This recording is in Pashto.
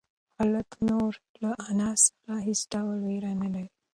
هلک نور له انا څخه هېڅ ډول وېره نه لري.